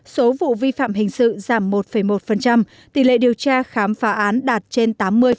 số vụ vi phạm hình sự giảm một một tỷ lệ điều tra khám phá án đạt trên tám mươi